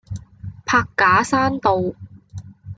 柏架山道